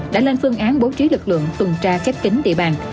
đã lên phương án bố trí lực lượng tuần tra khép kính địa bàn